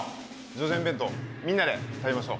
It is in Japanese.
叙々苑弁当、みんなで食べましょう！